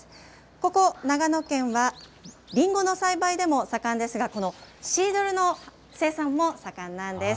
ここ、長野県はリンゴの栽培でも盛んですが、このシードルの生産も盛んなんです。